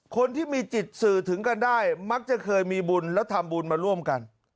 คนที่มีจิตสื่อถึงกันได้มักจะเคยมีบุญแล้วทำบุญมาร่วมกัน